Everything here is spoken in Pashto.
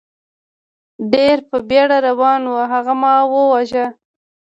ډېر په بېړه روان و، هغه ما و واژه.